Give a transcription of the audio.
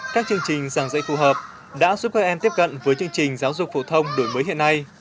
các chương trình giảng dạy phù hợp đã giúp các em tiếp cận với chương trình giáo dục phổ thông đổi mới hiện nay